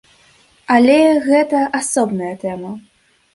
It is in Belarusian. Але гэта асобная тэма.